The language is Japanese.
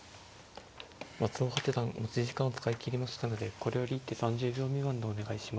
松尾八段持ち時間を使い切りましたのでこれより一手３０秒未満でお願いします。